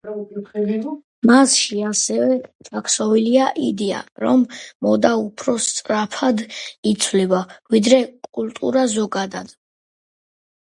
მასში ასევე ჩაქსოვილია იდეა, რომ მოდა უფრო სწრაფად იცვლება, ვიდრე კულტურა ზოგადად.